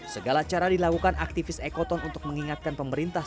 segala cara dilakukan aktivis ekoton untuk mengingatkan pemerintah